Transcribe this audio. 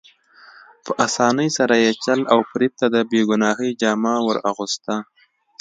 په اسانۍ سره یې چل او فریب ته د بې ګناهۍ جامه ور اغوسته.